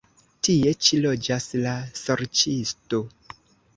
Tie ĉi loĝas la sorĉisto.